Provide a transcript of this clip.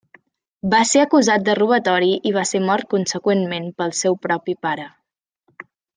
Va ser acusat de robatori i va ser mort conseqüentment pel seu propi pare.